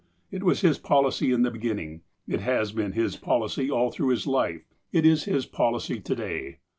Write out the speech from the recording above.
It was his policy in the beginning. It has been his policy all through his life. It is his policy to day.